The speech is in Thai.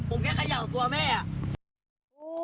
ผมแค่เขย่าตัวแม่อ่ะ